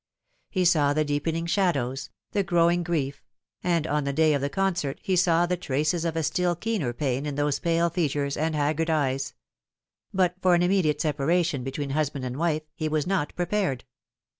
He saw the deepening shadows, the growing grief, and on the day of the concert he saw the traces of a still keener pain in those pale features and haggard eyes ; but for an immediate separation between husband and wife he was not prepared.